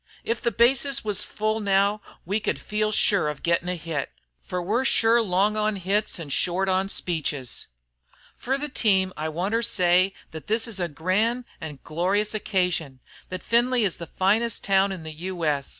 If the bases was full now we could feel sure of gittin' a hit, fer we're sure long on hits an' short on speeches. "Fer the team I wanter say thet this is a gran' an' glorious occasion, thet Findlay is the finest town in the U. S.